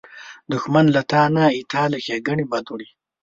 دښمن له تا نه، ستا له ښېګڼې نه بد وړي